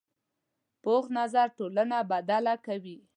پوخ نظر ټولنه بدله کوي